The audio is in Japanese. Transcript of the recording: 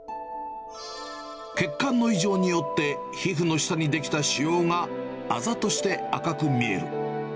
血管の異常によって、皮膚の下に出来た腫瘍があざとして赤く見える。